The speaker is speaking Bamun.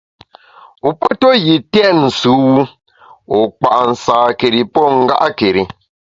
Wu pe ntue yi têt sùwu, wu kpa’ nsâkeri pô nga’keri.